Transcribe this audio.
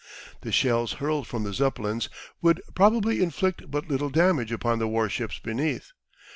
The shells hurled from the Zeppelins would probably inflict but little damage upon the warships beneath.